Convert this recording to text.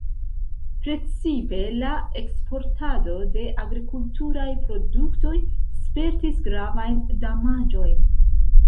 Precipe la eksportado de agrikulturaj produktoj spertis gravajn damaĝojn.